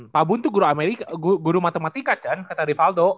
pak boon tuh guru matematika chen kata rivaldo